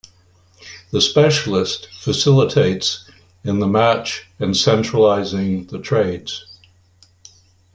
The specialist facilitates in the match and centralizing the trades.